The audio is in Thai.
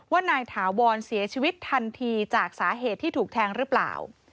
ว่านายถาวรเสียชีวิตทันทีจากสาเหตุที่ถูกแทงหรือเปล่า